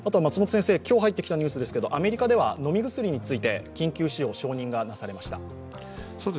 今日入ってきたニュースですけど、アメリカでは飲み薬について緊急使用の承認がされました。